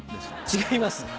違います。